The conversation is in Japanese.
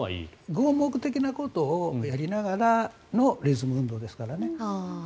合目的なことをやりながらのリズム運動ですからね。